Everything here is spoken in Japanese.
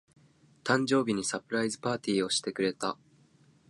誕生日にサプライズパーティーをしてくれた。